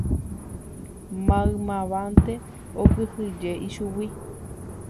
Maymávante okyhyje ichugui.